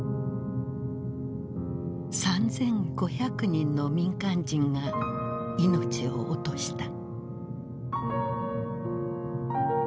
３，５００人の民間人が命を落とした。